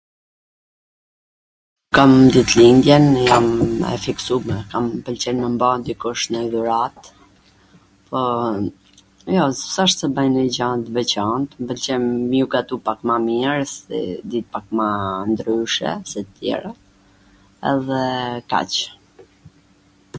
Kam ditlindjen, jam e fiksume, m pwlqen me m ba dikush ndonj dhurat, poo, jo, s asht se baj nonj gja t veCant, mw pwlqen me ju gatu pak ma mir se ditwt ... ma ndryshe se ditt e tjera edhe kaq.